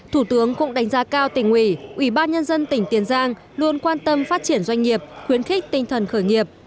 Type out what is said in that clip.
thủ tướng cũng đánh giá cao tỉnh ủy ủy ban nhân dân tỉnh tiền giang luôn quan tâm phát triển doanh nghiệp khuyến khích tinh thần khởi nghiệp